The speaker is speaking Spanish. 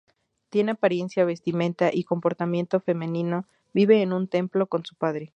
Tiene apariencia, vestimenta y comportamiento femenino, vive en un templo con su padre.